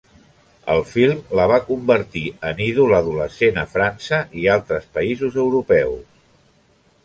El film la va convertir en ídol adolescent a França i altres països europeus.